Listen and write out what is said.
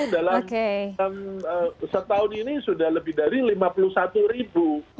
dalam setahun ini sudah lebih dari lima puluh satu ribu